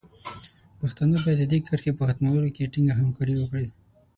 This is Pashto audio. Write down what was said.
پښتانه باید د دې کرښې په ختمولو کې ټینګه همکاري وکړي.